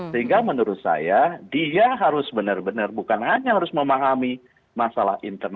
sehingga menurut saya dia harus benar benar bukan hanya harus memahami masalah internal